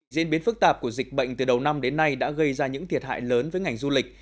diễn biến phức tạp của dịch bệnh từ đầu năm đến nay đã gây ra những thiệt hại lớn với ngành du lịch